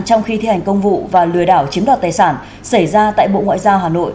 trong khi thi hành công vụ và lừa đảo chiếm đoạt tài sản xảy ra tại bộ ngoại giao hà nội